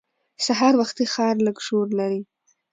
سهار وختي ښار لږ شور لري